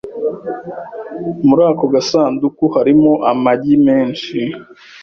Muri ako gasanduku harimo amagi menshi .